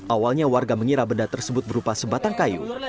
awalnya warga mengira benda tersebut berupa sebatang kayu